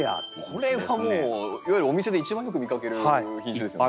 これはもういわゆるお店で一番よく見かける品種ですよね。